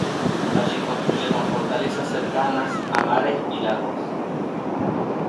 Allí construyeron fortalezas cercanas a mares y lagos.